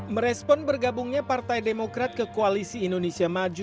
merespon bergabungnya partai demokrat ke koalisi indonesia maju